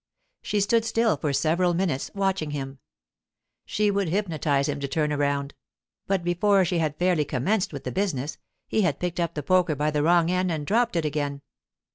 She stood very still for several minutes, watching him; she would hypnotise him to turn around; but before she had fairly commenced with the business, he had picked up the poker by the wrong end and dropped it again.